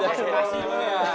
terima kasih ulan ya